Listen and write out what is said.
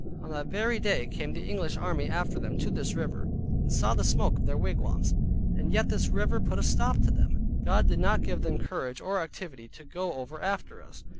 On that very day came the English army after them to this river, and saw the smoke of their wigwams, and yet this river put a stop to them. God did not give them courage or activity to go over after us.